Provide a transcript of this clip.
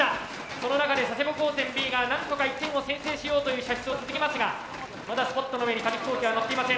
その中で佐世保高専Ｂがなんとか１点を先制しようという射出を続けますがまだスポットの上に紙飛行機はのっていません。